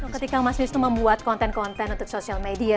ketika mas bis membuat konten konten untuk social media